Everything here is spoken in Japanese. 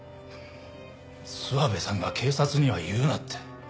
諏訪部さんが警察には言うなって。